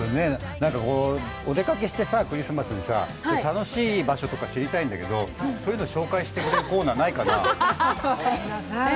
なんかこう、お出かけして、クリスマスにさ、楽しい場所とか知りたいんだけど、そういうの紹介してくれるコーナー、ないかな。